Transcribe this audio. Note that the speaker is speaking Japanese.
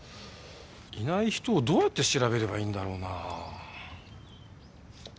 いない人をどうやって調べればいいんだろうなあ？